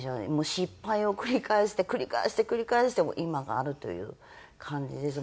失敗を繰り返して繰り返して繰り返して今があるという感じですもう。